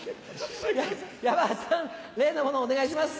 山田さん例のものをお願いします。